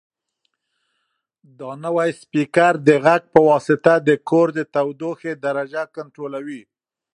دا نوی سپیکر د غږ په واسطه د کور د تودوخې درجه کنټرولوي.